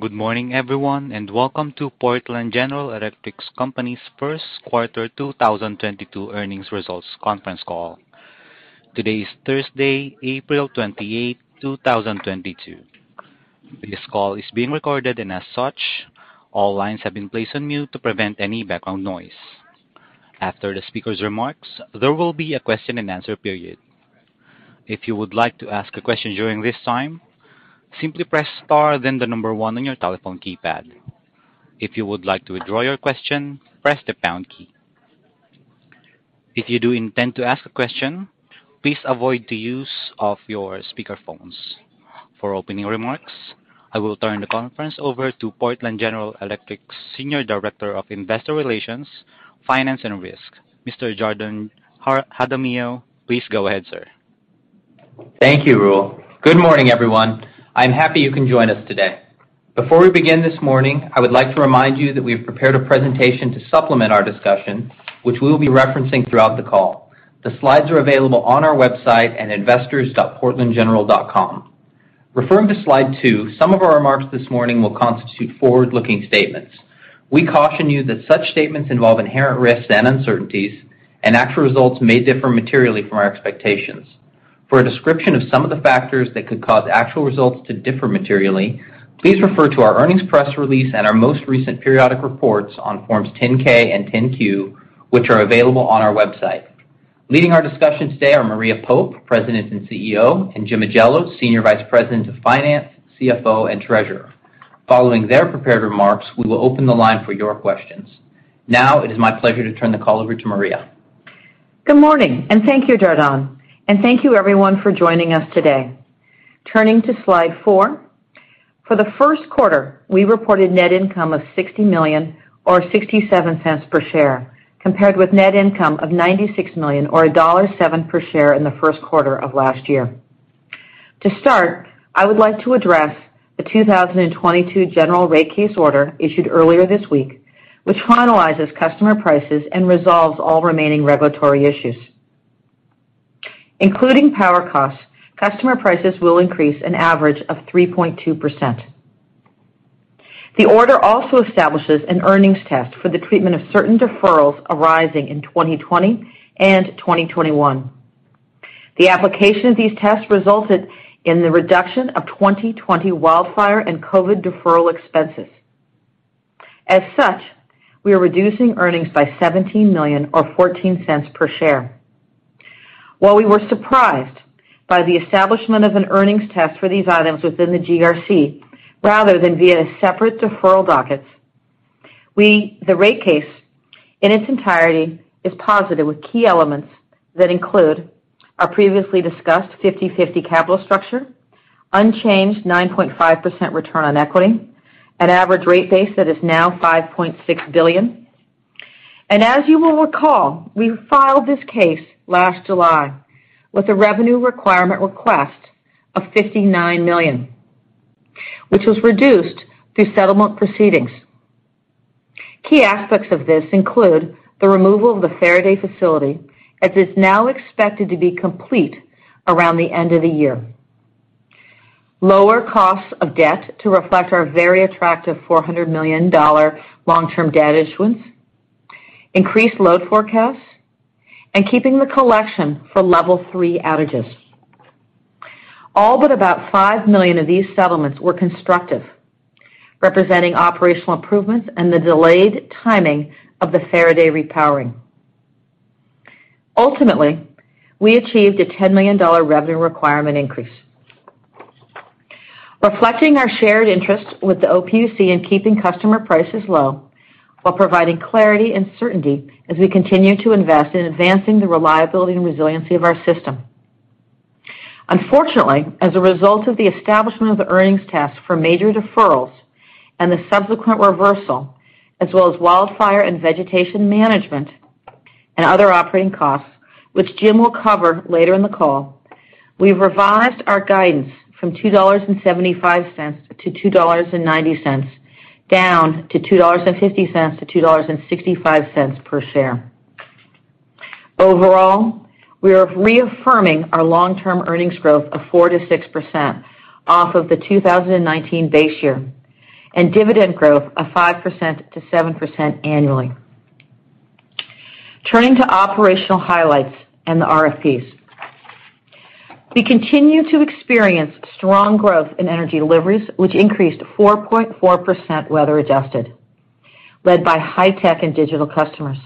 Good morning everyone and welcome to Portland General Electric Company's first quarter 2022 earnings results conference call. Today is Thursday, April 28, 2022. This call is being recorded and as such, all lines have been placed on mute to prevent any background noise. After the speaker's remarks, there will be a Q&A period. If you would like to ask a question during this time, simply press Star, then the number one on your telephone keypad. If you would like to withdraw your question, press the pound key. If you do intend to ask a question, please avoid the use of your speaker phones. For opening remarks, I will turn the conference over to Portland General Electric's Senior Director of Investor Relations, Finance, and Risk, Mr. Jardon Jaramillo. Please go ahead, sir. Thank you, Raul. Good morning everyone. I'm happy you can join us today. Before we begin this morning, I would like to remind you that we have prepared a presentation to supplement our discussion, which we will be referencing throughout the call. The slides are available on our website at investors.portlandgeneral.com. Referring to slide two, some of our remarks this morning will constitute forward-looking statements. We caution you that such statements involve inherent risks and uncertainties, and actual results may differ materially from our expectations. For a description of some of the factors that could cause actual results to differ materially, please refer to our earnings press release and our most recent periodic reports on forms 10-K and 10-Q, which are available on our website. Leading our discussion today are Maria Pope, President and CEO, and Jim Ajello, Senior Vice President of Finance, CFO and Treasurer. Following their prepared remarks, we will open the line for your questions. Now it is my pleasure to turn the call over to Maria. Good morning, and thank you Jardon. Thank you everyone for joining us today. Turning to slide four. For the first quarter, we reported net income of $60 million or $0.67 per share, compared with net income of $96 million or $1.07 per share in the first quarter of last year. To start, I would like to address the 2022 general rate case order issued earlier this week, which finalizes customer prices and resolves all remaining regulatory issues. Including power costs, customer prices will increase an average of 3.2%. The order also establishes an earnings test for the treatment of certain deferrals arising in 2020 and 2021. The application of these tests resulted in the reduction of 2020 wildfire and COVID deferral expenses. As such, we are reducing earnings by $17 million or $0.14 per share. While we were surprised by the establishment of an earnings test for these items within the GRC, rather than via separate deferral dockets, the rate case, in its entirety, is positive with key elements that include our previously discussed 50/50 capital structure, unchanged 9.5% return on equity, an average rate base that is now $5.6 billion. As you will recall, we filed this case last July with a revenue requirement request of $59 million, which was reduced through settlement proceedings. Key aspects of this include the removal of the Faraday facility, as it's now expected to be complete around the end of the year. Lower costs of debt to reflect our very attractive $400 million long-term debt issuance, increased load forecasts, and keeping the collection for level three outages. All but about $5 million of these settlements were constructive, representing operational improvements and the delayed timing of the Faraday repowering. Ultimately, we achieved a $10 million revenue requirement increase, reflecting our shared interests with the OPUC in keeping customer prices low while providing clarity and certainty as we continue to invest in advancing the reliability and resiliency of our system. Unfortunately, as a result of the establishment of the earnings test for major deferrals and the subsequent reversal, as well as wildfire and vegetation management and other operating costs, which Jim will cover later in the call, we've revised our guidance from $2.75-$2.90 down to $2.50-$2.65 per share. Overall, we are reaffirming our long-term earnings growth of 4%-6% off of the 2019 base year and dividend growth of 5%-7% annually. Turning to operational highlights and the RFPs. We continue to experience strong growth in energy deliveries, which increased 4.4% weather adjusted, led by high-tech and digital customers.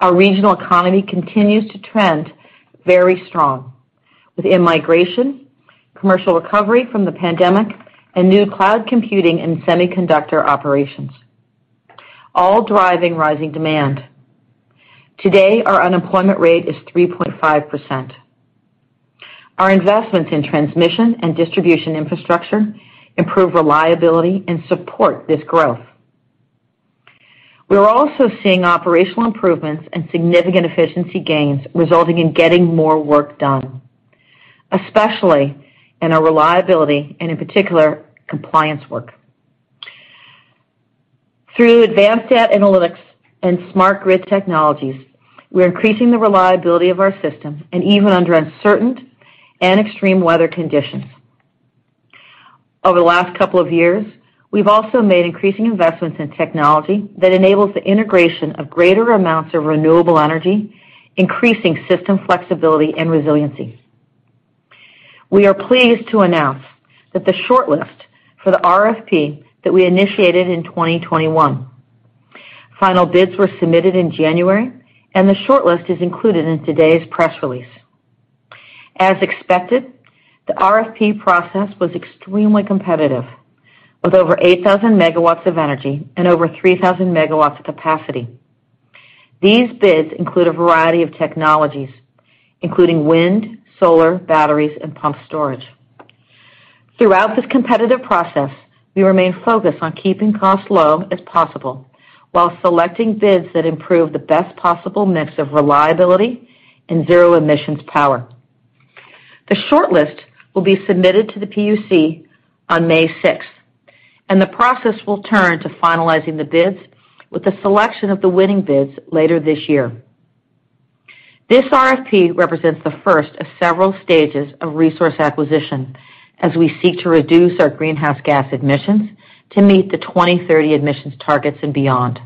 Our regional economy continues to trend very strong with in-migration, commercial recovery from the pandemic, and new cloud computing and semiconductor operations, all driving rising demand. Today, our unemployment rate is 3.5%. Our investments in transmission and distribution infrastructure improve reliability and support this growth. We are also seeing operational improvements and significant efficiency gains resulting in getting more work done, especially in our reliability and in particular compliance work. Through advanced data analytics and smart grid technologies, we're increasing the reliability of our system and even under uncertain and extreme weather conditions. Over the last couple of years, we've also made increasing investments in technology that enables the integration of greater amounts of renewable energy, increasing system flexibility and resiliency. We are pleased to announce that the shortlist for the RFP that we initiated in 2021. Final bids were submitted in January, and the shortlist is included in today's press release. As expected, the RFP process was extremely competitive with over 8,000 MW of energy and over 3,000 MW of capacity. These bids include a variety of technologies, including wind, solar, batteries, and pumped storage. Throughout this competitive process, we remain focused on keeping costs low as possible while selecting bids that improve the best possible mix of reliability and zero-emissions power. The shortlist will be submitted to the PUC on May 6, and the process will turn to finalizing the bids with the selection of the winning bids later this year. This RFP represents the first of several stages of resource acquisition as we seek to reduce our greenhouse gas emissions to meet the 2030 emissions targets and beyond.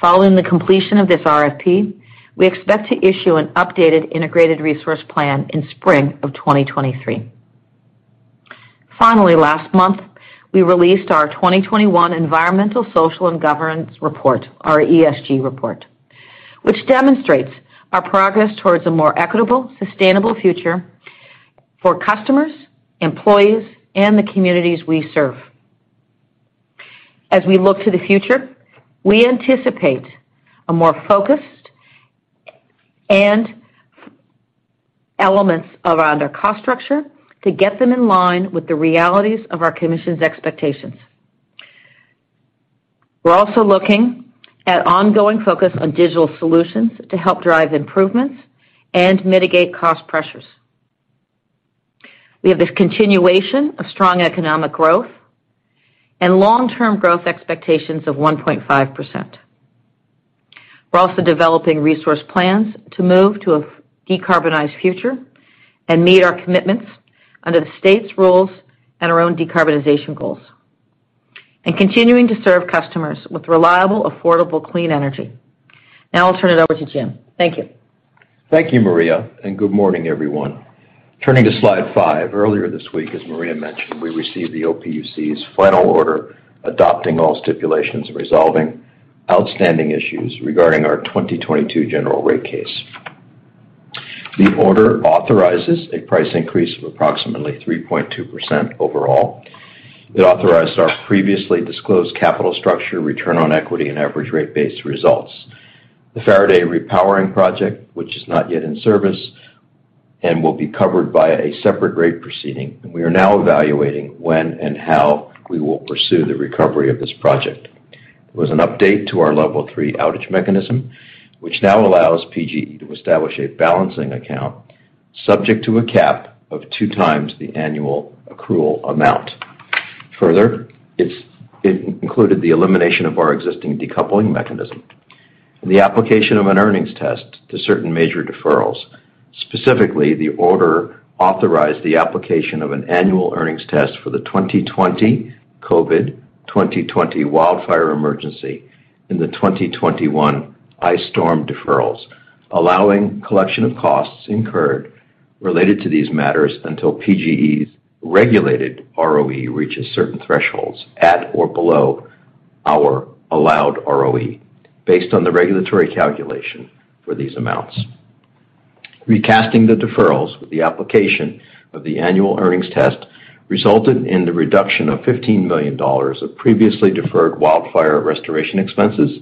Following the completion of this RFP, we expect to issue an updated integrated resource plan in spring of 2023. Finally, last month, we released our 2021 Environmental, Social and Governance report, our ESG report, which demonstrates our progress towards a more equitable, sustainable future for customers, employees, and the communities we serve. As we look to the future, we anticipate a more focused alignment of elements around our cost structure to get them in line with the realities of our commission's expectations. We're also looking at an ongoing focus on digital solutions to help drive improvements and mitigate cost pressures. We have the continuation of strong economic growth and long-term growth expectations of 1.5%. We're also developing resource plans to move to a decarbonized future and meet our commitments under the state's rules and our own decarbonization goals, and continuing to serve customers with reliable, affordable, clean energy. Now I'll turn it over to Jim. Thank you. Thank you, Maria, and good morning, everyone. Turning to slide five. Earlier this week, as Maria mentioned, we received the OPUC's final order, adopting all stipulations resolving outstanding issues regarding our 2022 general rate case. The order authorizes a rate increase of approximately 3.2% overall. It authorized our previously disclosed capital structure, return on equity, and average rate-based results. The Faraday Repowering Project, which is not yet in service and will be covered by a separate rate proceeding, and we are now evaluating when and how we will pursue the recovery of this project. It was an update to our level three outage mechanism, which now allows PGE to establish a balancing account subject to a cap of two times the annual accrual amount. Further, it included the elimination of our existing decoupling mechanism, the application of an earnings test to certain major deferrals. Specifically, the order authorized the application of an annual earnings test for the 2020 COVID, 2020 wildfire emergency in the 2021 ice storm deferrals, allowing collection of costs incurred related to these matters until PGE's regulated ROE reaches certain thresholds at or below our allowed ROE based on the regulatory calculation for these amounts. Recasting the deferrals with the application of the annual earnings test resulted in the reduction of $15 million of previously deferred wildfire restoration expenses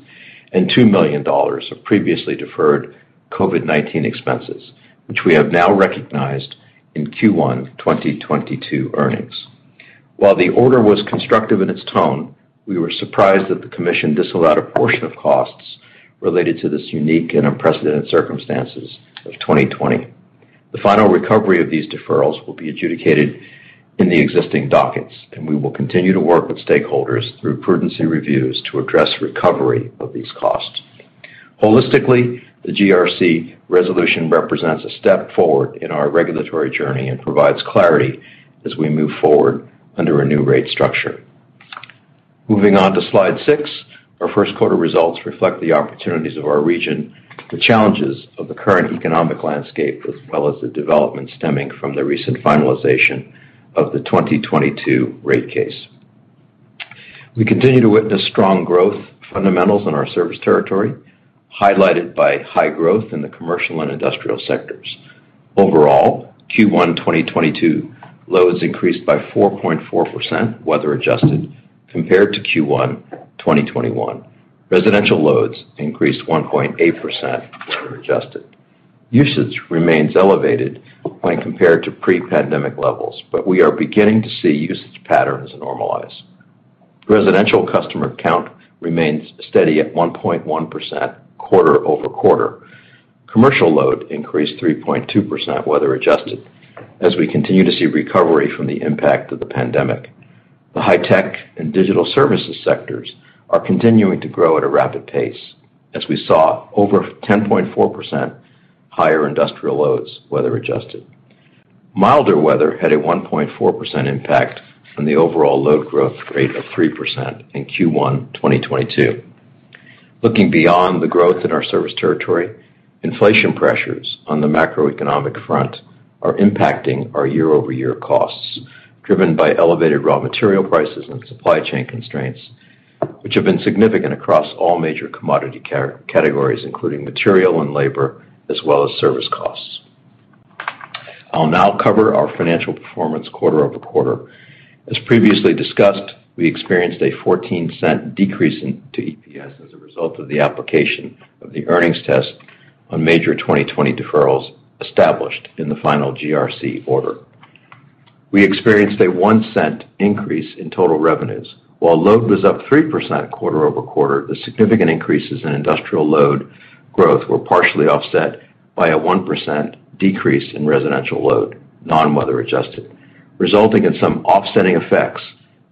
and $2 million of previously deferred COVID-19 expenses, which we have now recognized in Q1 2022 earnings. While the order was constructive in its tone, we were surprised that the commission disallowed a portion of costs related to this unique and unprecedented circumstances of 2020. The final recovery of these deferrals will be adjudicated in the existing dockets, and we will continue to work with stakeholders through prudency reviews to address recovery of these costs. Holistically, the GRC resolution represents a step forward in our regulatory journey and provides clarity as we move forward under a new rate structure. Moving on to slide six. Our first quarter results reflect the opportunities of our region, the challenges of the current economic landscape, as well as the developments stemming from the recent finalization of the 2022 rate case. We continue to witness strong growth fundamentals in our service territory, highlighted by high growth in the commercial and industrial sectors. Overall, Q1 2022 loads increased by 4.4%, weather adjusted, compared to Q1 2021. Residential loads increased 1.8% weather adjusted. Usage remains elevated when compared to pre-pandemic levels, but we are beginning to see usage patterns normalize. Residential customer count remains steady at 1.1% quarter-over-quarter. Commercial load increased 3.2% weather adjusted as we continue to see recovery from the impact of the pandemic. The high tech and digital services sectors are continuing to grow at a rapid pace as we saw over 10.4% higher industrial loads, weather adjusted. Milder weather had a 1.4% impact on the overall load growth rate of 3% in Q1 2022. Looking beyond the growth in our service territory, inflation pressures on the macroeconomic front are impacting our year-over-year costs, driven by elevated raw material prices and supply chain constraints, which have been significant across all major commodity categories, including material and labor, as well as service costs. I'll now cover our financial performance quarter-over-quarter. As previously discussed, we experienced a $0.14 decrease to EPS as a result of the application of the earnings test on major 2020 deferrals established in the final GRC order. We experienced a $0.01 increase in total revenues. While load was up 3% quarter-over-quarter, the significant increases in industrial load growth were partially offset by a 1% decrease in residential load, non-weather adjusted, resulting in some offsetting effects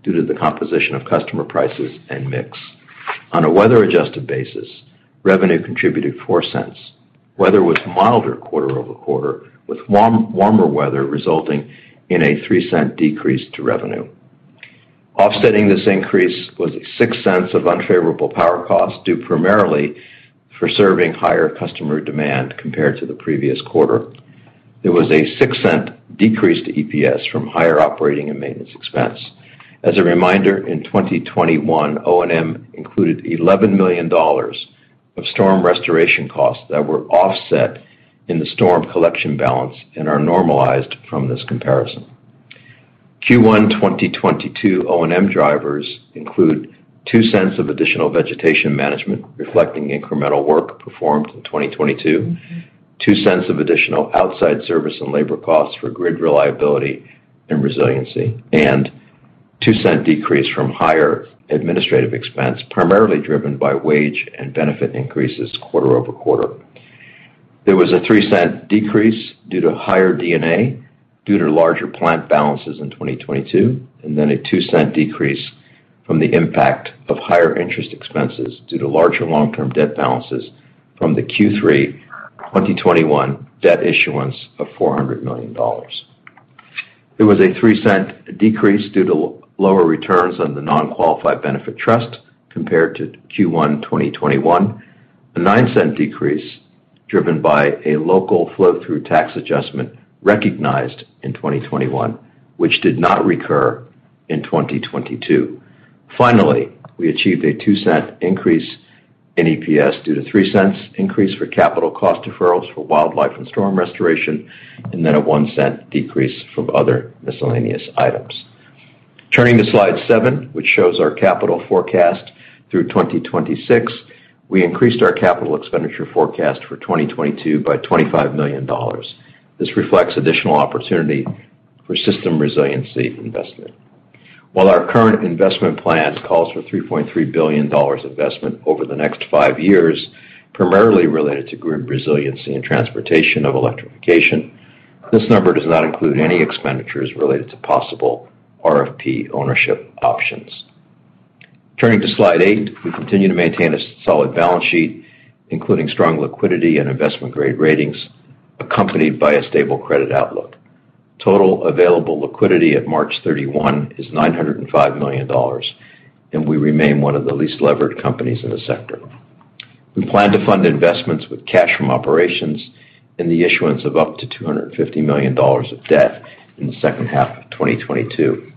due to the composition of customer prices and mix. On a weather adjusted basis, revenue contributed $0.04. Weather was milder quarter-over-quarter, with warmer weather resulting in a $0.03 decrease to revenue. Offsetting this increase was $0.06 of unfavorable power costs, due primarily to serving higher customer demand compared to the previous quarter. There was a $0.06 decrease to EPS from higher operating and maintenance expense. As a reminder, in 2021, O&M included $11 million of storm restoration costs that were offset in the storm collection balance and are normalized from this comparison. Q1 2022 O&M drivers include $0.02 of additional vegetation management, reflecting incremental work performed in 2022, $0.02 of additional outside service and labor costs for grid reliability and resiliency, and $0.02 decrease from higher administrative expense, primarily driven by wage and benefit increases quarter over quarter. There was a $0.03 decrease due to higher D&A, due to larger plant balances in 2022, and then a $0.02 decrease from the impact of higher interest expenses due to larger long-term debt balances from the Q3 2021 debt issuance of $400 million. There was a $0.03 decrease due to lower returns on the non-qualified benefit trust compared to Q1 2021. A $0.09 decrease driven by a local flow-through tax adjustment recognized in 2021, which did not recur in 2022. Finally, we achieved a $0.02 increase in EPS due to $0.03 increase for capital cost deferrals for wildfire and storm restoration, and then a $0.01 decrease from other miscellaneous items. Turning to slide seven, which shows our capital forecast through 2026. We increased our capital expenditure forecast for 2022 by $25 million. This reflects additional opportunity for system resiliency investment. While our current investment plan calls for $3.3 billion investment over the next five years, primarily related to grid resiliency and transportation electrification, this number does not include any expenditures related to possible RFP ownership options. Turning to slide eight. We continue to maintain a solid balance sheet, including strong liquidity and investment-grade ratings, accompanied by a stable credit outlook. Total available liquidity at March 31 is $905 million, and we remain one of the least levered companies in the sector. We plan to fund investments with cash from operations and the issuance of up to $250 million of debt in the second half of 2022.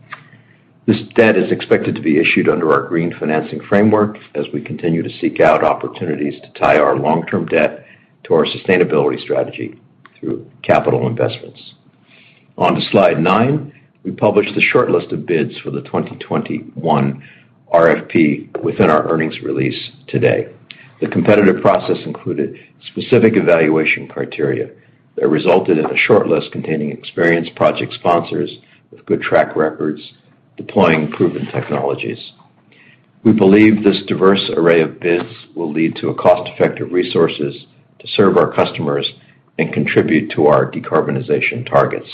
This debt is expected to be issued under our Green Financing Framework as we continue to seek out opportunities to tie our long-term debt to our sustainability strategy through capital investments. On to slide nine. We published the short list of bids for the 2021 RFP within our earnings release today. The competitive process included specific evaluation criteria that resulted in a short list containing experienced project sponsors with good track records deploying proven technologies. We believe this diverse array of bids will lead to a cost-effective resources to serve our customers and contribute to our decarbonization targets.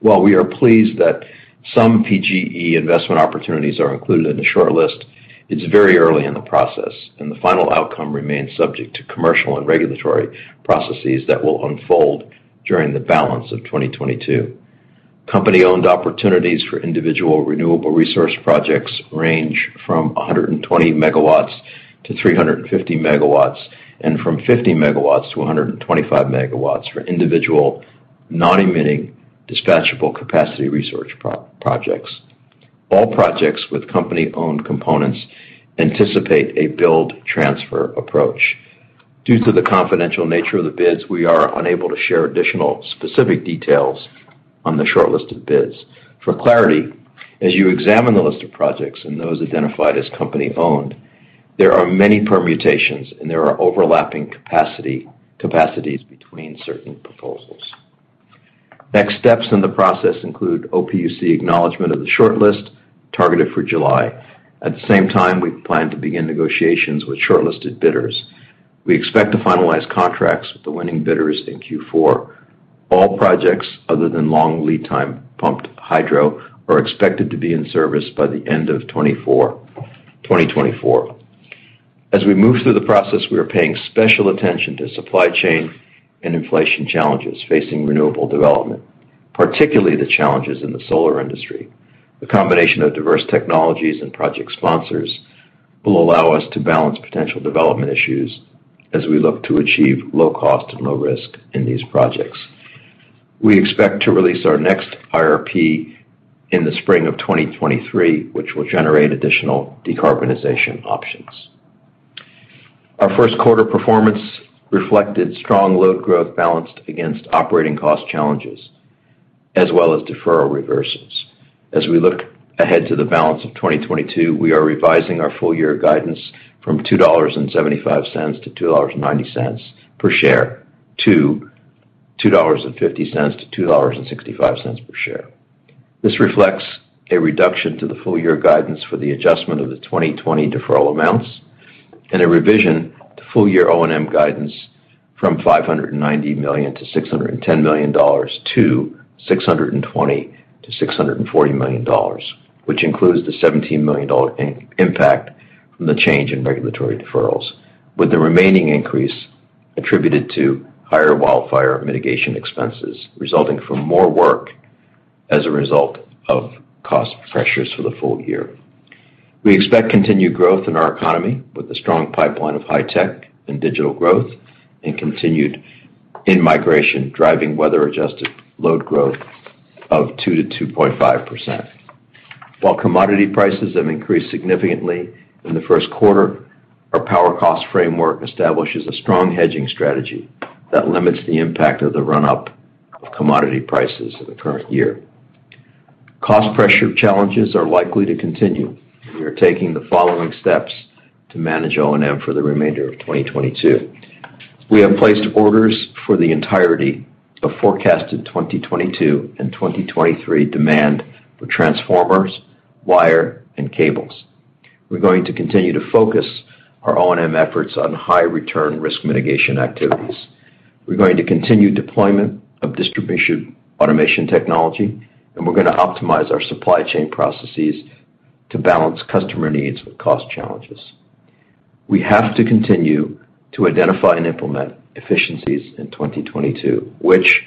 While we are pleased that some PGE investment opportunities are included in the short list, it's very early in the process, and the final outcome remains subject to commercial and regulatory processes that will unfold during the balance of 2022. Company-owned opportunities for individual renewable resource projects range from 120 MW to 350 MW, and from 50 MW to 125 MW for individual non-emitting dispatchable capacity resource projects. All projects with company-owned components anticipate a build transfer approach. Due to the confidential nature of the bids, we are unable to share additional specific details on the short list of bids. For clarity, as you examine the list of projects and those identified as company-owned, there are many permutations and there are overlapping capacity, capacities between certain proposals. Next steps in the process include OPUC acknowledgment of the short list targeted for July. At the same time, we plan to begin negotiations with shortlisted bidders. We expect to finalize contracts with the winning bidders in Q4. All projects other than long lead time pumped hydro are expected to be in service by the end of 2024. As we move through the process, we are paying special attention to supply chain and inflation challenges facing renewable development, particularly the challenges in the solar industry. The combination of diverse technologies and project sponsors will allow us to balance potential development issues as we look to achieve low cost and low risk in these projects. We expect to release our next IRP in the spring of 2023, which will generate additional decarbonization options. Our first quarter performance reflected strong load growth balanced against operating cost challenges as well as deferral reverses. As we look ahead to the balance of 2022, we are revising our full year guidance from $2.75-$2.90 per share to $2.50-$2.65 per share. This reflects a reduction to the full-year guidance for the adjustment of the 2020 deferral amounts and a revision to full-year O&M guidance from $590 million-$610 million to $620 million-$640 million, which includes the $17 million impact from the change in regulatory deferrals, with the remaining increase attributed to higher wildfire mitigation expenses resulting from more work as a result of cost pressures for the full year. We expect continued growth in our economy with a strong pipeline of high tech and digital growth and continued in-migration, driving weather-adjusted load growth of 2%-2.5%. While commodity prices have increased significantly in the first quarter, our power cost framework establishes a strong hedging strategy that limits the impact of the run-up of commodity prices in the current year. Cost pressure challenges are likely to continue. We are taking the following steps to manage O&M for the remainder of 2022. We have placed orders for the entirety of forecasted 2022 and 2023 demand for transformers, wire, and cables. We're going to continue to focus our O&M efforts on high return risk mitigation activities. We're going to continue deployment of distribution automation technology, and we're gonna optimize our supply chain processes to balance customer needs with cost challenges. We have to continue to identify and implement efficiencies in 2022, which,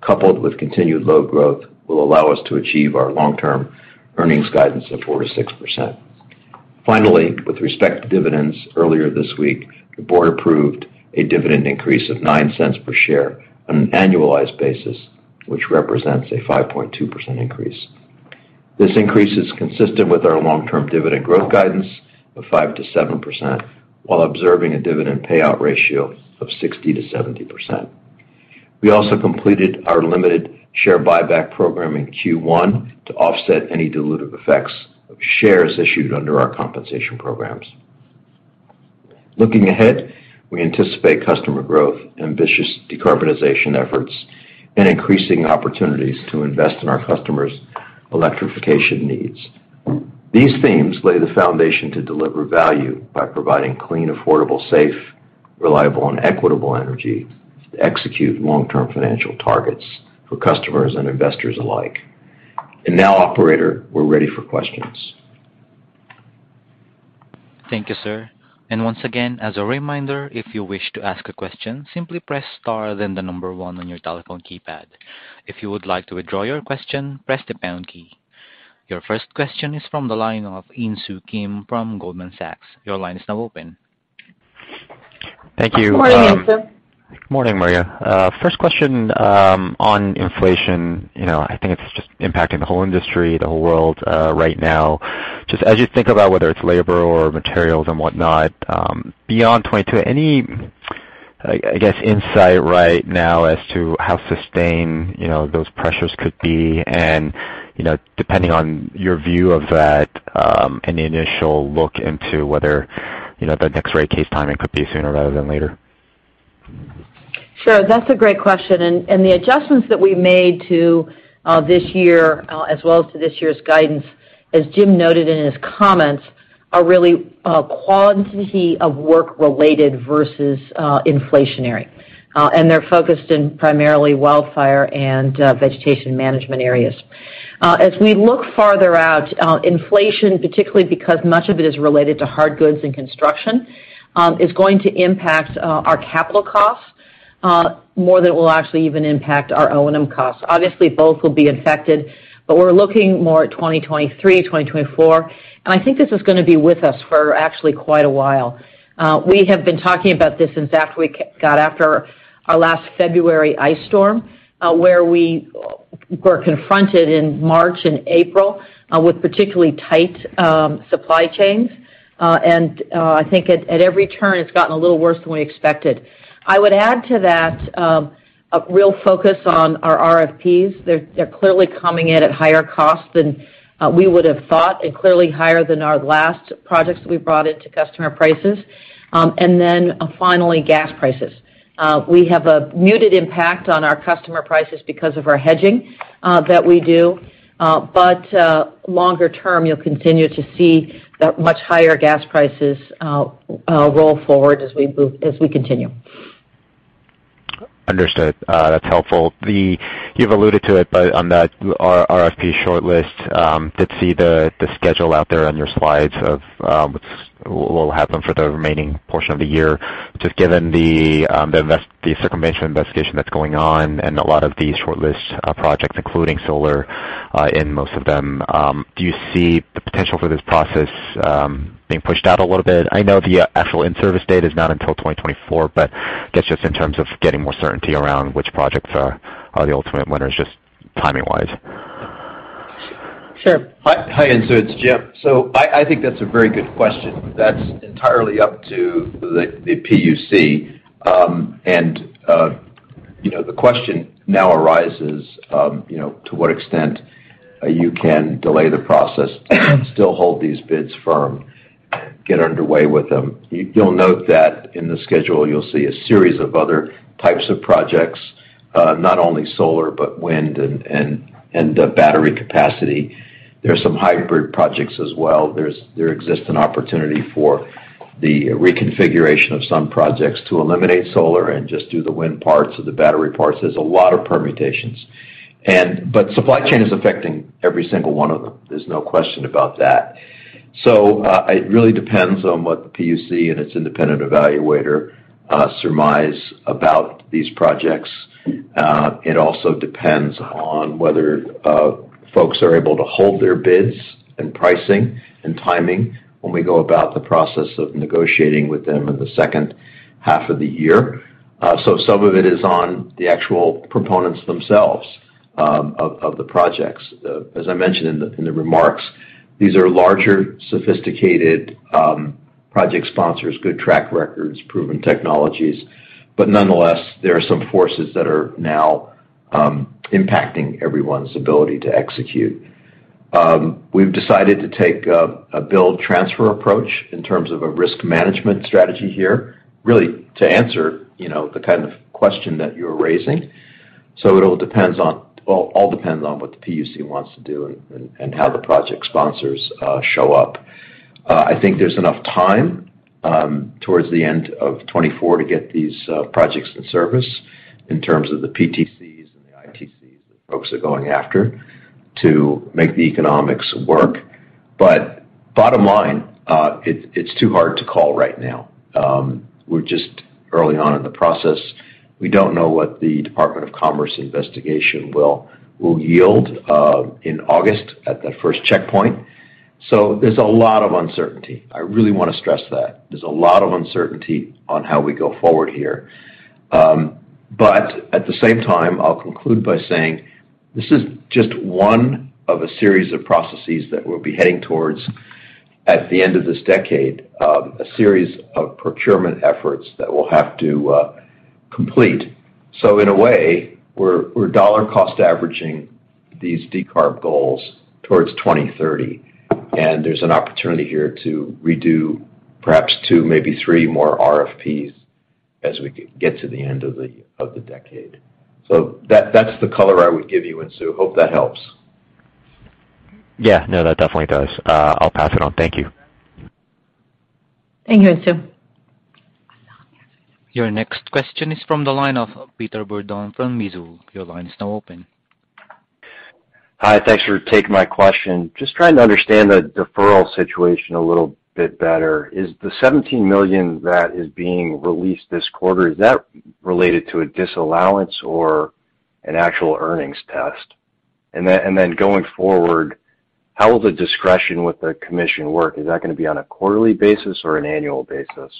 coupled with continued low growth, will allow us to achieve our long-term earnings guidance of 4%-6%. Finally, with respect to dividends, earlier this week, the board approved a dividend increase of $0.09 per share on an annualized basis, which represents a 5.2% increase. This increase is consistent with our long-term dividend growth guidance of 5%-7% while observing a dividend payout ratio of 60%-70%. We also completed our limited share buyback program in Q1 to offset any dilutive effects of shares issued under our compensation programs. Looking ahead, we anticipate customer growth, ambitious decarbonization efforts, and increasing opportunities to invest in our customers' electrification needs. These themes lay the foundation to deliver value by providing clean, affordable, safe, reliable, and equitable energy to execute long-term financial targets for customers and investors alike. Now, operator, we're ready for questions. Thank you, sir. Once again, as a reminder, if you wish to ask a question, simply press star then the number one on your telephone keypad. If you would like to withdraw your question, press the pound key. Your first question is from the line of Insoo Kim from Goldman Sachs. Your line is now open. Thank you. Good morning, Insoo. Morning, Maria. First question, on inflation. You know, I think it's just impacting the whole industry, the whole world, right now. Just as you think about whether it's labor or materials and whatnot, beyond 2022, any, I guess, insight right now as to how sustained, you know, those pressures could be, and, you know, depending on your view of that, any initial look into whether, you know, the next rate case timing could be sooner rather than later? Sure. That's a great question. The adjustments that we made to this year, as well as to this year's guidance, as Jim noted in his comments, are really quantity of work related versus inflationary. They're focused in primarily wildfire and vegetation management areas. As we look farther out, inflation, particularly because much of it is related to hard goods and construction, is going to impact our capital costs more than it will actually even impact our O&M costs. Obviously, both will be affected, but we're looking more at 2023, 2024. I think this is gonna be with us for actually quite a while. We have been talking about this since after our last February ice storm, where we were confronted in March and April with particularly tight supply chains. I think at every turn, it's gotten a little worse than we expected. I would add to that, a real focus on our RFPs. They're clearly coming in at higher costs than we would have thought, and clearly higher than our last projects we brought into customer prices. Then finally, gas prices. We have a muted impact on our customer prices because of our hedging that we do. Longer term, you'll continue to see the much higher gas prices roll forward as we continue. Understood. That's helpful. You've alluded to it, but on that RFP shortlist, did see the schedule out there on your slides of what will happen for the remaining portion of the year. Just given the circumvention investigation that's going on and a lot of the shortlist projects, including solar in most of them, do you see the potential for this process being pushed out a little bit? I know the actual in-service date is not until 2024, but that's just in terms of getting more certainty around which projects are the ultimate winners, just timing-wise. Sure. Hi. Hi, Insoo. It's Jim. I think that's a very good question. That's entirely up to the PUC. You know, the question now arises, you know, to what extent you can delay the process, still hold these bids firm, get underway with them. You'll note that in the schedule you'll see a series of other types of projects, not only solar, but wind and battery capacity. There are some hybrid projects as well. There exists an opportunity for the reconfiguration of some projects to eliminate solar and just do the wind parts or the battery parts. There's a lot of permutations. But supply chain is affecting every single one of them. There's no question about that. It really depends on what the PUC and its independent evaluator surmise about these projects. It also depends on whether folks are able to hold their bids and pricing and timing when we go about the process of negotiating with them in the second half of the year. Some of it is on the actual proponents themselves of the projects. As I mentioned in the remarks, these are larger, sophisticated project sponsors, good track records, proven technologies. Nonetheless, there are some forces that are now impacting everyone's ability to execute. We've decided to take a build transfer approach in terms of a risk management strategy here, really to answer you know the kind of question that you're raising. It all depends on what the PUC wants to do and how the project sponsors show up. I think there's enough time, towards the end of 2024 to get these projects in service in terms of the PTCs and the ITCs that folks are going after to make the economics work. Bottom line, it's too hard to call right now. We're just early on in the process. We don't know what the Department of Commerce investigation will yield in August at that first checkpoint. There's a lot of uncertainty. I really wanna stress that. There's a lot of uncertainty on how we go forward here. At the same time, I'll conclude by saying this is just one of a series of processes that we'll be heading towards at the end of this decade, a series of procurement efforts that we'll have to complete. In a way, we're dollar cost averaging these decarb goals towards 2030, and there's an opportunity here to redo perhaps two, maybe three more RFPs as we get to the end of the decade. That's the color I would give you, Insoo. Hope that helps. Yeah. No, that definitely does. I'll pass it on. Thank you. Thank you, Insoo. Your next question is from the line of Peter Bourdon from Mizuho. Your line is now open. Hi. Thanks for taking my question. Just trying to understand the deferral situation a little bit better. Is the $17 million that is being released this quarter, is that related to a disallowance or an actual earnings test? Going forward, how will the discretion with the commission work? Is that gonna be on a quarterly basis or an annual basis?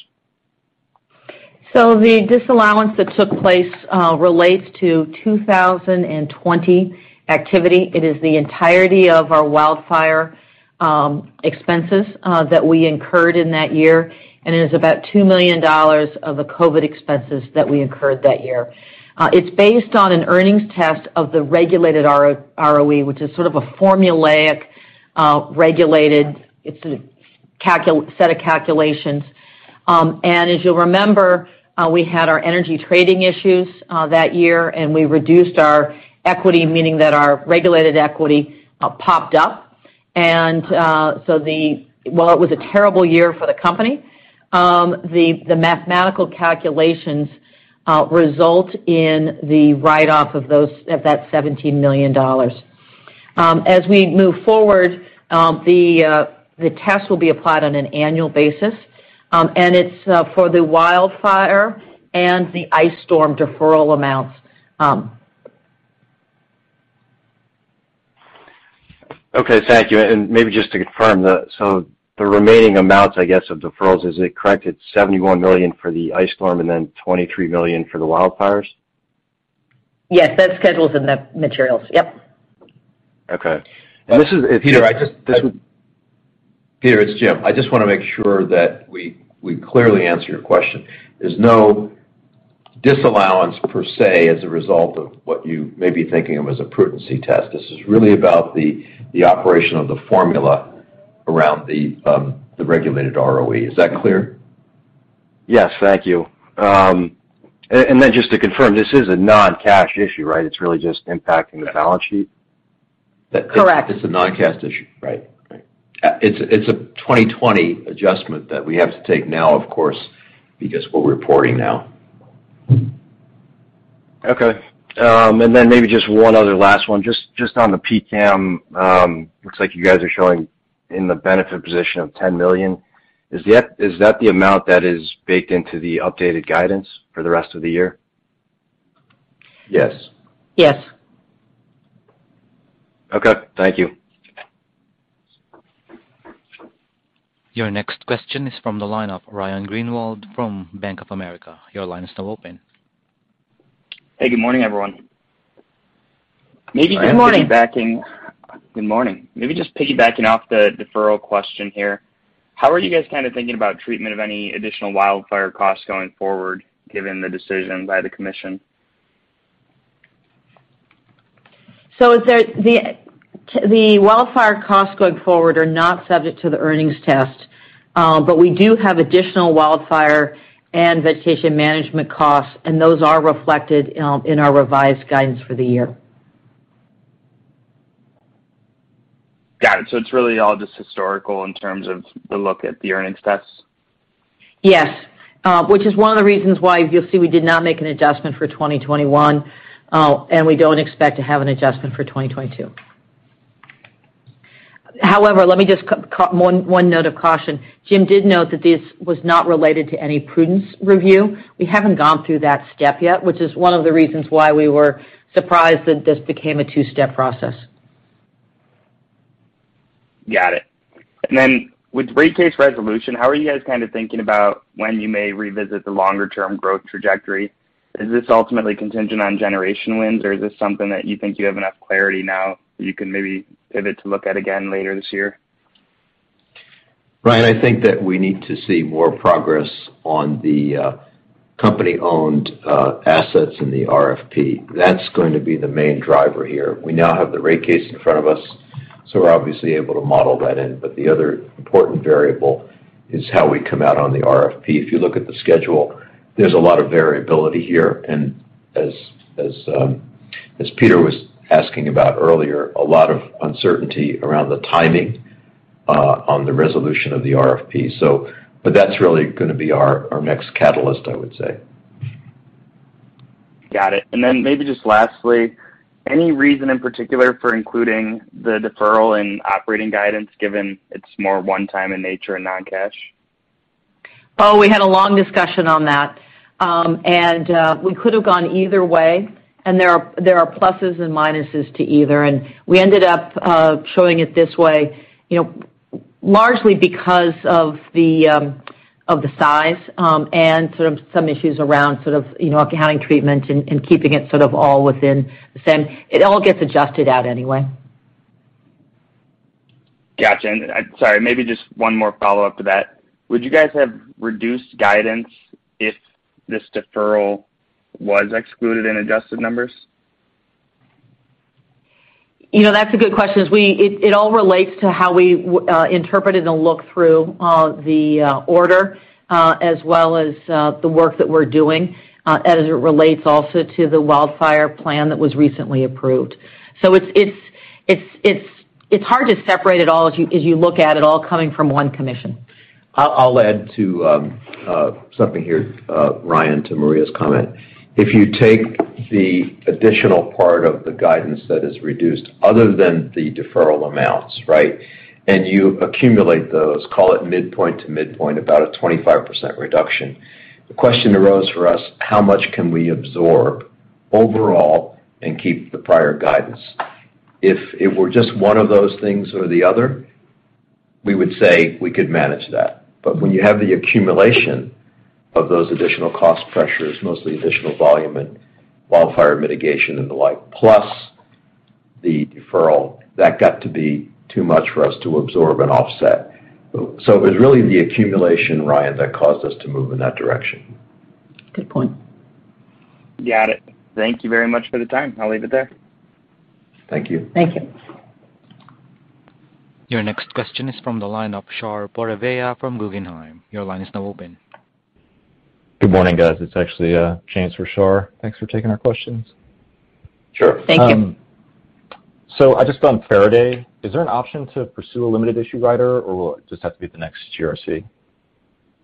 The disallowance that took place relates to 2020 activity. It is the entirety of our wildfire expenses that we incurred in that year, and it is about $2 million of the COVID expenses that we incurred that year. It's based on an earnings test of the regulated ROE, which is sort of a formulaic regulated set of calculations. As you'll remember, we had our energy trading issues that year, and we reduced our equity, meaning that our regulated equity popped up. While it was a terrible year for the company, the mathematical calculations result in the write-off of that $17 million. As we move forward, the test will be applied on an annual basis, and it's for the wildfire and the ice storm deferral amounts. Okay. Thank you. Maybe just to confirm, so the remaining amounts, I guess, of deferrals, is it correct, it's $71 million for the ice storm and then $23 million for the wildfires? Yes, that's schedules and the materials. Yep. Okay. Peter, I just This is- Peter, it's Jim. I just wanna make sure that we clearly answer your question. There's no disallowance per se as a result of what you may be thinking of as a prudence test. This is really about the operation of the formula around the regulated ROE. Is that clear? Yes, thank you. Just to confirm, this is a non-cash issue, right? It's really just impacting the balance sheet? Correct. It's a non-cash issue, right? It's a 2020 adjustment that we have to take now, of course, because we're reporting now. Okay. Maybe just one other last one. Just on the PCAM, looks like you guys are showing in the benefit position of $10 million. Is that the amount that is baked into the updated guidance for the rest of the year? Yes. Yes. Okay, thank you. Your next question is from the line of Ryan Greenwald from Bank of America. Your line is now open. Hey, good morning, everyone. Good morning. Good morning. Maybe just piggybacking off the deferral question here. How are you guys kind of thinking about treatment of any additional wildfire costs going forward, given the decision by the commission? The wildfire costs going forward are not subject to the earnings test, but we do have additional wildfire and vegetation management costs, and those are reflected in our revised guidance for the year. Got it. It's really all just historical in terms of the look at the earnings tests? Yes, which is one of the reasons why you'll see we did not make an adjustment for 2021, and we don't expect to have an adjustment for 2022. However, let me just add one note of caution. Jim did note that this was not related to any prudence review. We haven't gone through that step yet, which is one of the reasons why we were surprised that this became a two-step process. Got it. With rate case resolution, how are you guys kind of thinking about when you may revisit the longer-term growth trajectory? Is this ultimately contingent on generation wins, or is this something that you think you have enough clarity now that you can maybe pivot to look at again later this year? Ryan, I think that we need to see more progress on the company-owned assets in the RFP. That's going to be the main driver here. We now have the rate case in front of us, so we're obviously able to model that in. The other important variable is how we come out on the RFP. If you look at the schedule, there's a lot of variability here, and as Peter was asking about earlier, a lot of uncertainty around the timing on the resolution of the RFP. That's really gonna be our next catalyst, I would say. Got it. Maybe just lastly, any reason in particular for including the deferral in operating guidance, given it's more one time in nature and non-cash? Oh, we had a long discussion on that. We could have gone either way, and there are pluses and minuses to either. We ended up showing it this way, you know, largely because of the size and sort of some issues around sort of, you know, accounting treatment and keeping it sort of all within the same. It all gets adjusted out anyway. Gotcha. Sorry, maybe just one more follow-up to that. Would you guys have reduced guidance if this deferral was excluded in adjusted numbers? You know, that's a good question. It all relates to how we interpreted and looked through the order as well as the work that we're doing as it relates also to the wildfire plan that was recently approved. It's hard to separate it all as you look at it all coming from one commission. I'll add to something here, Ryan, to Maria's comment. If you take the additional part of the guidance that is reduced other than the deferral amounts, right? You accumulate those, call it midpoint to midpoint, about a 25% reduction. The question arose for us. How much can we absorb overall and keep the prior guidance? If it were just one of those things or the other, we would say we could manage that. When you have the accumulation of those additional cost pressures, mostly additional volume and wildfire mitigation and the like, plus the deferral, that got to be too much for us to absorb and offset. It was really the accumulation, Ryan, that caused us to move in that direction. Good point. Got it. Thank you very much for the time. I'll leave it there. Thank you. Thank you. Your next question is from the line of Shahriar Pourreza from Guggenheim. Your line is now open. Good morning, guys. It's actually, James for Shar. Thanks for taking our questions. Sure. Thank you. I just found Faraday. Is there an option to pursue a limited issue rider, or will it just have to be the next GRC?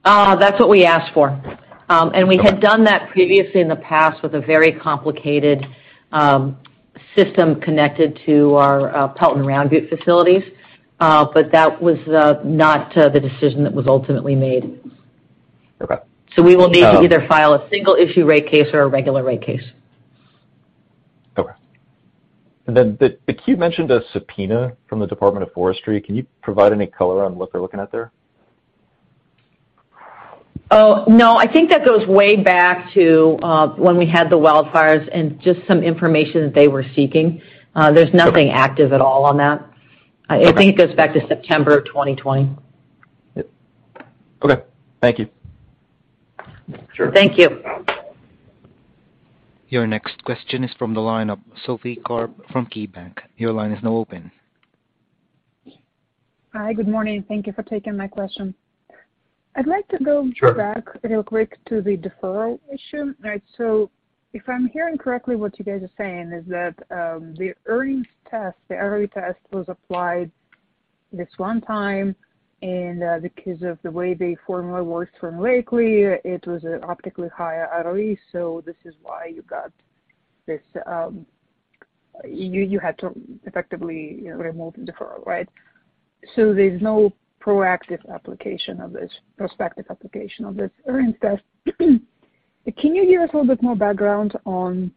That's what we asked for. We had done that previously in the past with a very complicated system connected to our Pelton Round Butte facilities. That was not the decision that was ultimately made. Okay. We will need to either file a single issue rate case or a regular rate case. Okay. Then the queue mentioned a subpoena from the Department of Forestry. Can you provide any color on what they're looking at there? Oh, no. I think that goes way back to, when we had the wildfires and just some information that they were seeking. There's nothing active at all on that. I think it goes back to September 2020. Okay. Thank you. Thank you. Your next question is from the line of Sophie Karp from KeyBanc. Your line is now open. Hi, good morning. Thank you for taking my question. I'd like to go back real quick to the deferral issue. Right. If I'm hearing correctly, what you guys are saying is that, the earnings test, the ROE test was applied this one time, and, because of the way the formula works from formulaically, it was optically higher ROE. This is why you got this. You had to effectively remove the deferral, right? There's no proactive application of this prospective application of this earnings test. Can you give us a little bit more background on,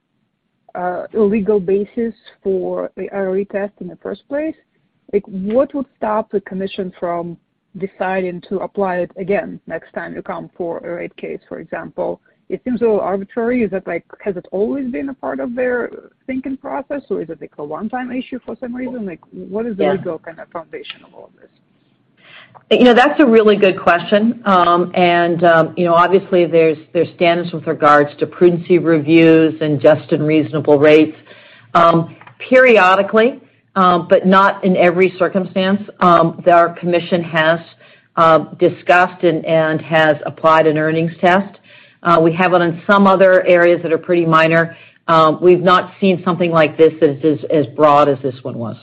legal basis for the ROE test in the first place? Like, what would stop the commission from deciding to apply it again next time you come for a rate case, for example? It seems a little arbitrary. Has it always been a part of their thinking process, or is it like a one-time issue for some reason? Like, what is the legal kind of foundation of all of this? You know, that's a really good question. You know, obviously there's standards with regards to prudence reviews and just reasonable rates. Periodically, but not in every circumstance, our commission has discussed and has applied an earnings test. We have it on some other areas that are pretty minor. We've not seen something like this as broad as this one was.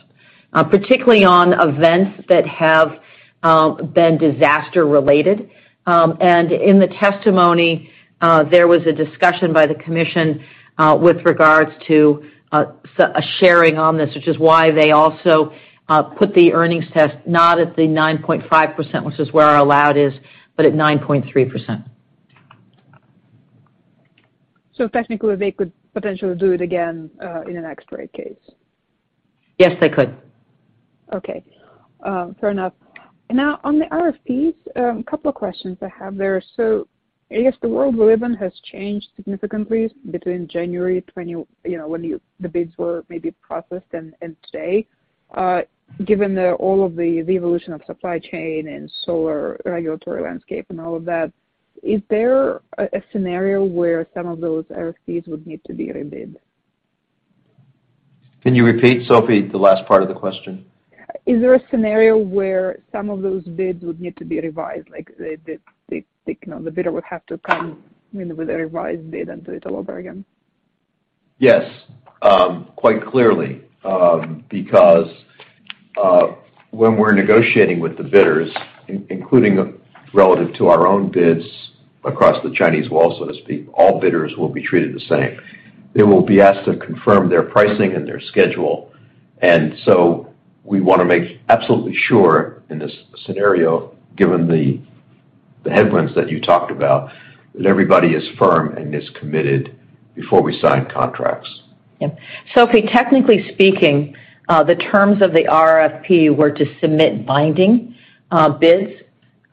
Particularly on events that have been disaster related. In the testimony, there was a discussion by the commission with regards to 50/50 sharing on this, which is why they also put the earnings test not at the 9.5%, which is where our allowed is, but at 9.3%. Technically, they could potentially do it again, in the next rate case. Yes, they could. Okay. Fair enough. Now on the RFPs, a couple of questions I have there. I guess the world we live in has changed significantly between January 20, you know, when the bids were maybe processed and today, given all of the evolution of supply chain and solar regulatory landscape and all of that, is there a scenario where some of those RFPs would need to be rebid? Can you repeat, Sophie, the last part of the question? Is there a scenario where some of those bids would need to be revised? Like, you know, the bidder would have to come in with a revised bid and do it all over again. Yes. Quite clearly, because when we're negotiating with the bidders, including relative to our own bids across the Chinese wall, so to speak, all bidders will be treated the same. They will be asked to confirm their pricing and their schedule. We want to make absolutely sure in this scenario, given the headwinds that you talked about, that everybody is firm and is committed before we sign contracts. Yeah. Sophie, technically speaking, the terms of the RFP were to submit binding bids.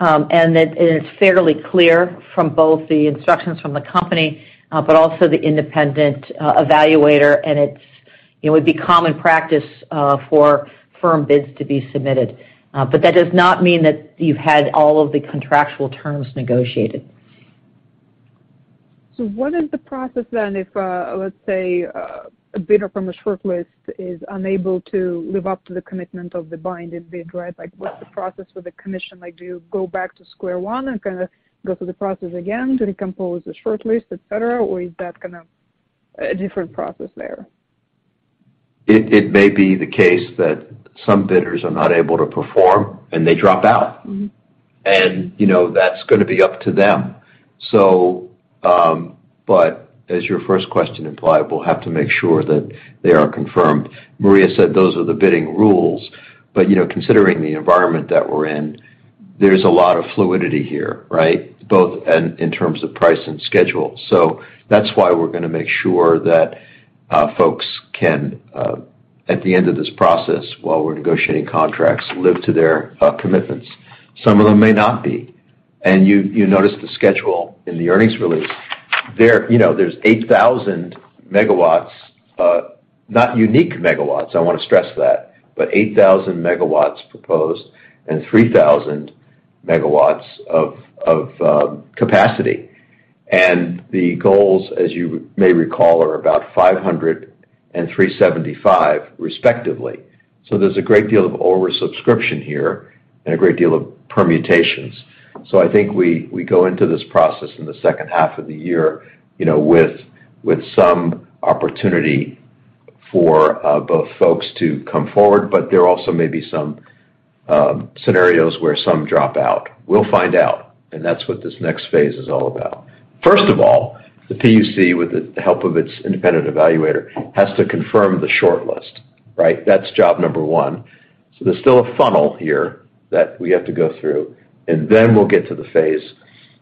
It is fairly clear from both the instructions from the company, but also the independent evaluator. It's, you know, would be common practice for firm bids to be submitted. That does not mean that you've had all of the contractual terms negotiated. What is the process then if, let's say, a bidder from a shortlist is unable to live up to the commitment of the binding bid, right? Like, what's the process for the commission? Like, do you go back to square one and kinda go through the process again to recompose the shortlist, et cetera? Or is that kind of a different process there? It may be the case that some bidders are not able to perform and they drop out. Mm-hmm. You know, that's gonna be up to them. As your first question implied, we'll have to make sure that they are confirmed. Maria said those are the bidding rules. You know, considering the environment that we're in, there's a lot of fluidity here, right? Both in terms of price and schedule. That's why we're gonna make sure that folks can, at the end of this process, while we're negotiating contracts, live to their commitments. Some of them may not be. You notice the schedule in the earnings release. You know, there's 8,000 MW, not unique megawatts, I wanna stress that, but 8,000 MW proposed and 3,000 MW of capacity. The goals, as you may recall, are about 500 and 375 respectively. There's a great deal of oversubscription here and a great deal of permutations. I think we go into this process in the second half of the year, you know, with some opportunity for both folks to come forward. There also may be some scenarios where some drop out. We'll find out, and that's what this next phase is all about. First of all, the PUC, with the help of its independent evaluator, has to confirm the shortlist, right? That's job number one. There's still a funnel here that we have to go through, and then we'll get to the phase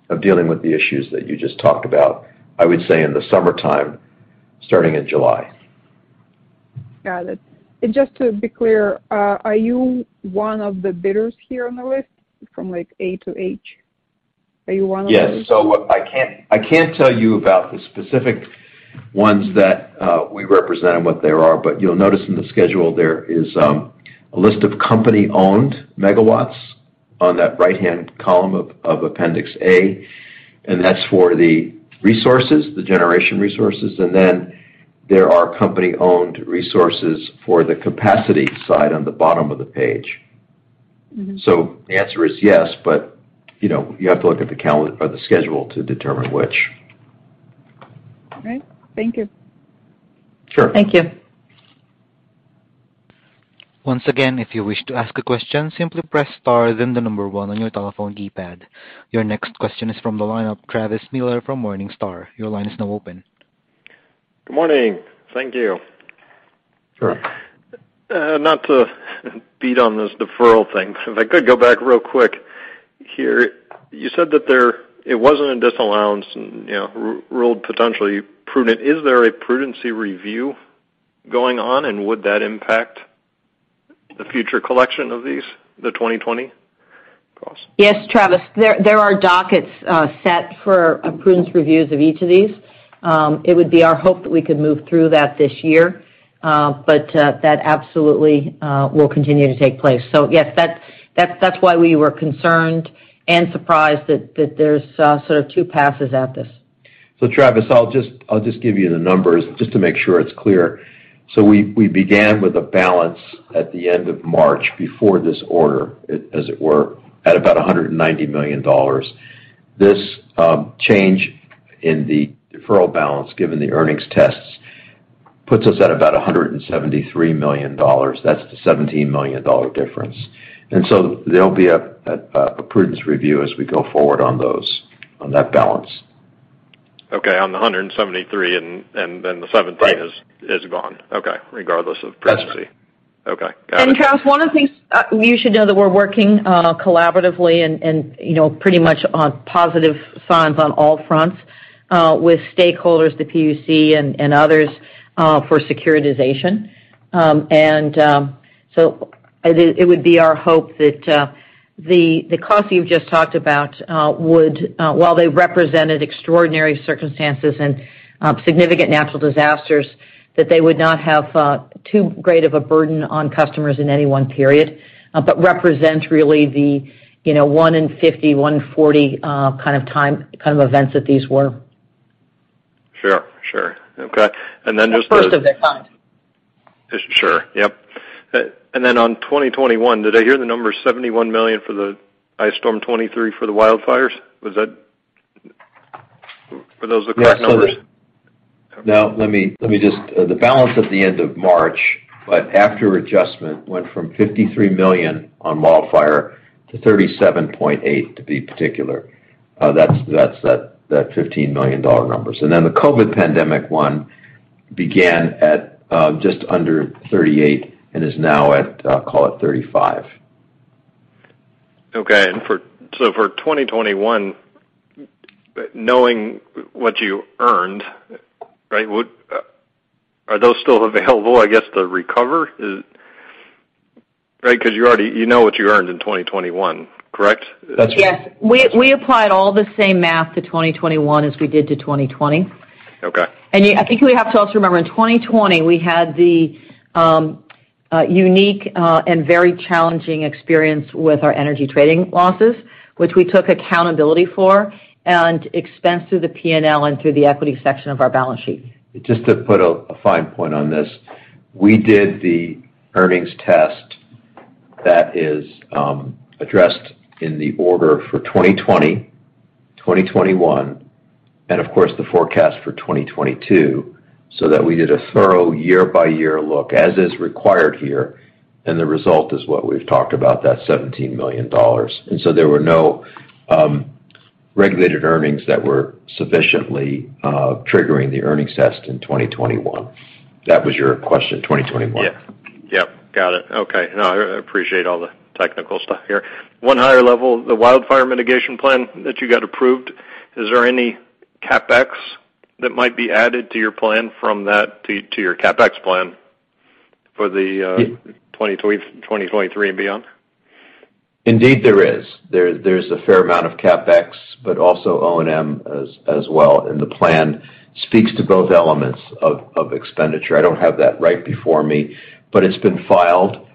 of dealing with the issues that you just talked about, I would say in the summertime, starting in July. Got it. Just to be clear, are you one of the bidders here on the list from, like, A to H? Are you one of those? Yes. I can't tell you about the specific ones that we represent and what they are, but you'll notice in the schedule there is a list of company-owned megawatts on that right-hand column of appendix A, and that's for the resources, the generation resources. There are company-owned resources for the capacity side on the bottom of the page. Mm-hmm. The answer is yes, but, you know, you have to look at the schedule to determine which. All right. Thank you. Sure. Thank you. Once again, if you wish to ask a question, simply press star then the number one on your telephone keypad. Your next question is from the line of Travis Miller from Morningstar. Your line is now open. Good morning. Thank you. Sure. Not to beat on this deferral thing, but if I could go back real quick here. You said that it wasn't a disallowance and, you know, ruled potentially prudent. Is there a prudence review going on, and would that impact the future collection of these, the 2020 costs? Yes, Travis. There are dockets set for prudence reviews of each of these. It would be our hope that we could move through that this year. That absolutely will continue to take place. Yes, that's why we were concerned and surprised that there's sort of two passes at this. Travis, I'll just give you the numbers just to make sure it's clear. We began with a balance at the end of March before this order, as it were, at about $190 million. This change in the deferral balance given the earnings tests puts us at about $173 million. That's the $17 million difference. There'll be a prudence review as we go forward on those, on that balance. On the $173 million, and then the $17 million- Right. is gone. Okay. Regardless of That's right. Prudency. Okay. Got it. Travis, one of the things you should know that we're working collaboratively and, you know, pretty much on positive signs on all fronts with stakeholders, the PUC and others for securitization. It would be our hope that the costs you've just talked about would, while they represented extraordinary circumstances and significant natural disasters, that they would not have too great of a burden on customers in any one period. Represent really the, you know, 1-in-50, 1-in-40 kind of time kind of events that these were. Sure. Okay. The first of their kind. Sure. Yep. On 2021, did I hear the number $71 million for the Ice Storm 2023 for the wildfires? Was that? Were those the correct numbers? The balance at the end of March, but after adjustment, went from $53 million on wildfire to $37.8 million, to be particular. That's that $15 million number. The COVID pandemic one began at just under $38 million and is now at call it $35 million. Okay. For 2021, knowing what you earned, right, are those still available, I guess, to recover? Right? 'Cause you already you know what you earned in 2021, correct? That's right. Yes. We applied all the same math to 2021 as we did to 2020. Okay. I think we have to also remember, in 2020, we had the unique and very challenging experience with our energy trading losses, which we took accountability for and expensed through the P&L and through the equity section of our balance sheet. Just to put a fine point on this, we did the earnings test that is addressed in the order for 2020, 2021, and of course, the forecast for 2022, so that we did a thorough year-by-year look as is required here, and the result is what we've talked about, that $17 million. There were no regulated earnings that were sufficiently triggering the earnings test in 2021. That was your question, 2021? Yeah. Yep. Got it. Okay. No, I appreciate all the technical stuff here. On a higher level, the wildfire mitigation plan that you got approved, is there any CapEx that might be added to your plan from that to your CapEx plan for 2023 and beyond? Indeed, there is. There's a fair amount of CapEx, but also O&M as well, and the plan speaks to both elements of expenditure. I don't have that right before me, but it's been filed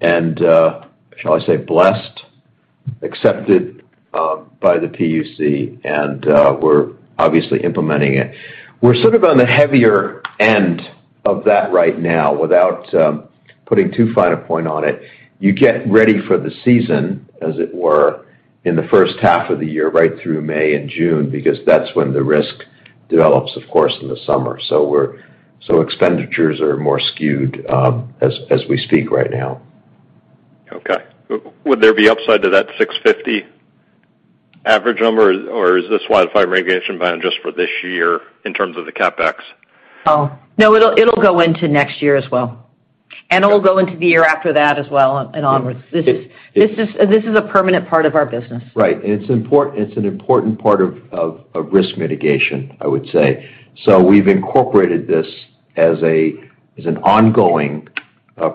and, shall I say, blessed, accepted, by the PUC and, we're obviously implementing it. We're sort of on the heavier end of that right now without putting too fine a point on it. You get ready for the season, as it were, in the first half of the year, right through May and June, because that's when the risk develops, of course, in the summer. Expenditures are more skewed, as we speak right now. Okay. Would there be upside to that $650 average number, or is this wildfire mitigation plan just for this year in terms of the CapEx? Oh, no, it'll go into next year as well. It'll go into the year after that as well and onwards. This is a permanent part of our business. Right. It's an important part of risk mitigation, I would say. We've incorporated this as an ongoing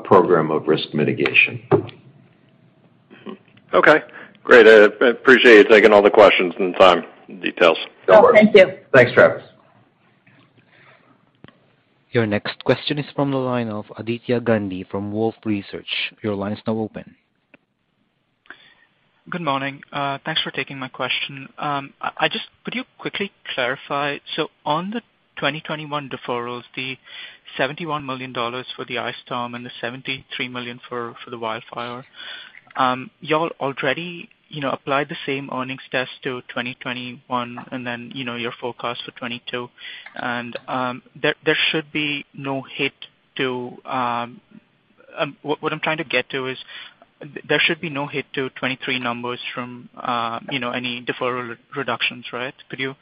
program of risk mitigation. Okay, great. I appreciate you taking all the questions and the time and details. No, thank you. Thanks, Travis. Your next question is from the line of Aditya Gandhi from Wolfe Research. Your line is now open. Good morning. Thanks for taking my question. Could you quickly clarify? On the 2021 deferrals, the $71 million for the ice storm and the $73 million for the wildfire, y'all already applied the same earnings test to 2021 and then your forecast for 2022. What I'm trying to get to is there should be no hit to 2023 numbers from any deferral reductions, right? Could you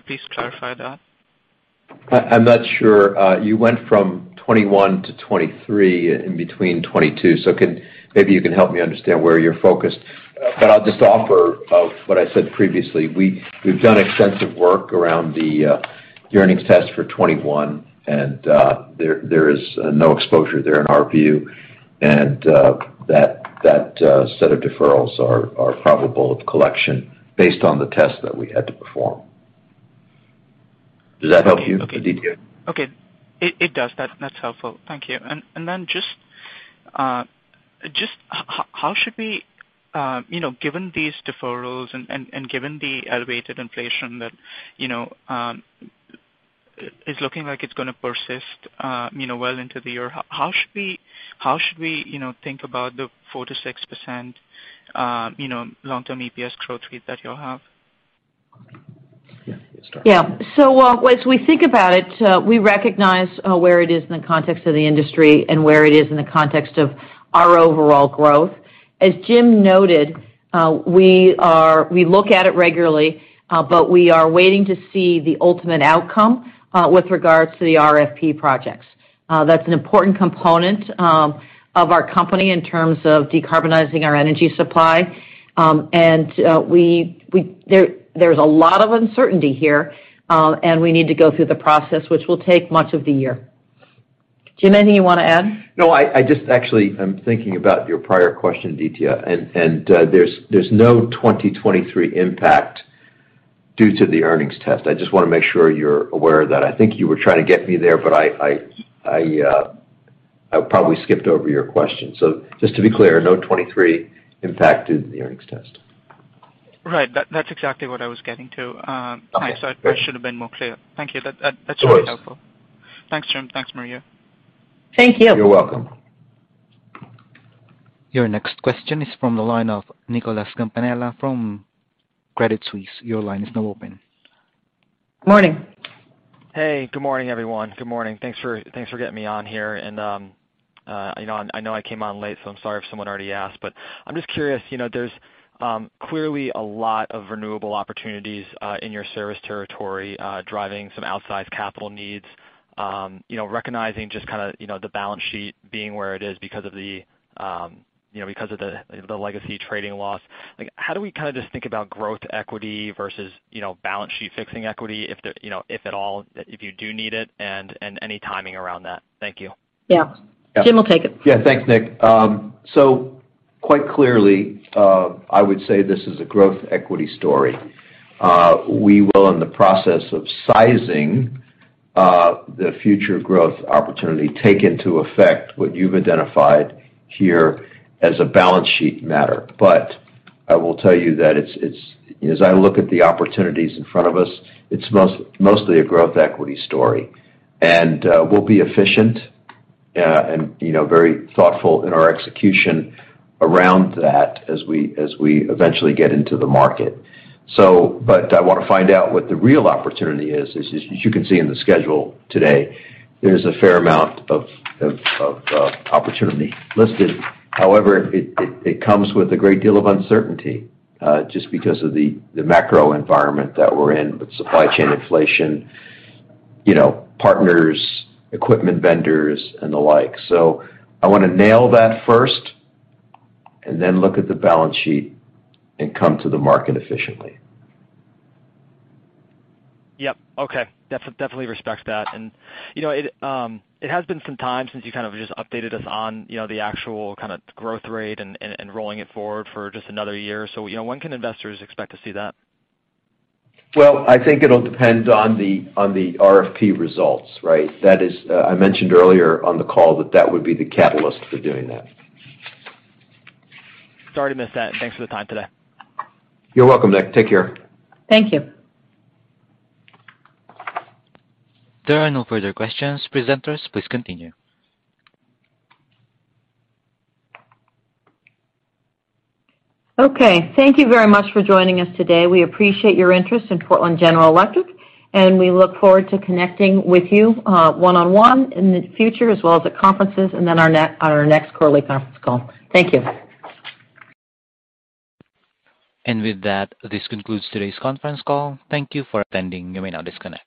please clarify that? I'm not sure. You went from 21-23 in between 22, so maybe you can help me understand where you're focused. I'll just offer of what I said previously, we've done extensive work around the earnings test for 21, and there is no exposure there in our view. That set of deferrals are probable of collection based on the test that we had to perform. Does that help you, Aditya? Okay. It does. That's helpful. Thank you. Then just how should we you know, given these deferrals and given the elevated inflation that you know is looking like it's gonna persist you know well into the year, how should we you know think about the 4%-6% long-term EPS growth rate that y'all have? Yeah. You start. Yeah. As we think about it, we recognize where it is in the context of the industry and where it is in the context of our overall growth. As Jim noted, we look at it regularly, but we are waiting to see the ultimate outcome with regards to the RFP projects. That's an important component of our company in terms of decarbonizing our energy supply. There's a lot of uncertainty here, and we need to go through the process, which will take much of the year. Jim, anything you wanna add? No, I just actually am thinking about your prior question, Aditya. There's no 2023 impact due to the earnings test. I just wanna make sure you're aware of that. I think you were trying to get me there, but I probably skipped over your question. Just to be clear, no 2023 impact to the earnings test. Right. That's exactly what I was getting to. I should have been more clear. Thank you. That's really helpful. No worries. Thanks, Jim. Thanks, Maria. Thank you. You're welcome. Your next question is from the line of Nicholas Campanella from Credit Suisse. Your line is now open. Morning. Hey, good morning, everyone. Good morning. Thanks for getting me on here. You know, I know I came on late, so I'm sorry if someone already asked, but I'm just curious, you know, there's clearly a lot of renewable opportunities in your service territory driving some outsized capital needs. You know, recognizing just kinda the balance sheet being where it is because of the legacy trading loss. Like, how do we kinda just think about growth equity versus you know, balance sheet fixing equity, if at all, if you do need it and any timing around that? Thank you. Yeah. Jim will take it. Yeah. Thanks, Nick. Quite clearly, I would say this is a growth equity story. We will, in the process of sizing, the future growth opportunity, take into effect what you've identified here as a balance sheet matter. I will tell you that it's. As I look at the opportunities in front of us, it's mostly a growth equity story. We'll be efficient, and, you know, very thoughtful in our execution around that as we eventually get into the market. I wanna find out what the real opportunity is. As you can see in the schedule today, there's a fair amount of opportunity listed. However, it comes with a great deal of uncertainty, just because of the macro environment that we're in with supply chain inflation, you know, partners, equipment vendors and the like. I wanna nail that first and then look at the balance sheet and come to the market efficiently. Yep. Okay. Definitely respect that. You know, it has been some time since you kind of just updated us on, you know, the actual kinda growth rate and rolling it forward for just another year. You know, when can investors expect to see that? Well, I think it'll depend on the RFP results, right? That is, I mentioned earlier on the call that that would be the catalyst for doing that. Sorry to miss that. Thanks for the time today. You're welcome, Nick. Take care. Thank you. There are no further questions. Presenters, please continue. Okay. Thank you very much for joining us today. We appreciate your interest in Portland General Electric, and we look forward to connecting with you one-on-one in the future as well as at conferences and then on our next quarterly conference call. Thank you. With that, this concludes today's conference call. Thank you for attending. You may now disconnect.